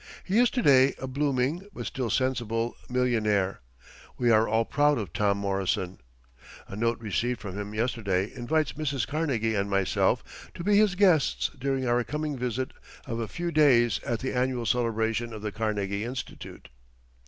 He is to day a blooming, but still sensible, millionaire. We are all proud of Tom Morrison. [A note received from him yesterday invites Mrs. Carnegie and myself to be his guests during our coming visit of a few days at the annual celebration of the Carnegie Institute.